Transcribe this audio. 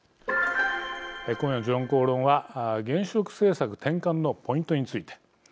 今夜の「時論公論」は原子力政策転換のポイントについて。